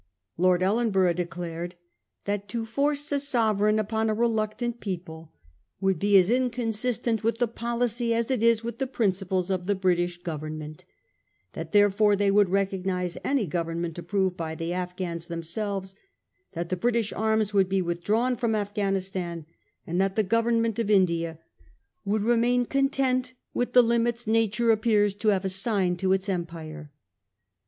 Lord Ellenborough de clared that e to force a sovereign upon a reluctant people would be as inconsistent with the policy as it is with the principles of the British Government ;' that therefore they would recognise any government approved by the Afghans themselves ; that the Bri tish arms would be withdrawn from Afghanistan, and that the Government of India would remain 270 A HISTORY OF OUR OWN TIMES. cn. xx. 'content with, the limits nature appears to have assigned to its empire.